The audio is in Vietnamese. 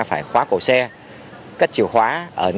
phải khóa cổ xe cất chìu khóa ở nhà dân